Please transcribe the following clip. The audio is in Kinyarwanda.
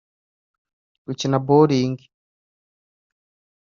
gukina Bowling